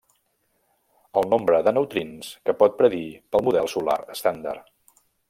El nombre de neutrins que pot predir pel model solar estàndard.